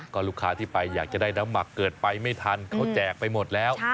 ก็ลูกค้าที่ไปอยากจะได้น้ำหมักเกิดไปไม่ทันเขาแจกไปหมดแล้ว